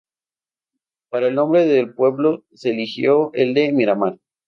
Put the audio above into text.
Para el nombre del pueblo se eligió el de "Mira Mar".